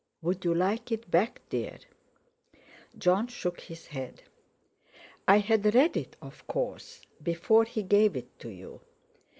Would you like it back, dear?" Jon shook his head. "I had read it, of course, before he gave it to you.